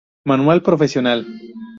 Manual profesional.